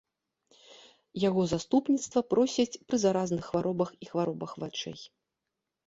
Яго заступніцтва просяць пры заразных хваробах і хваробах вачэй.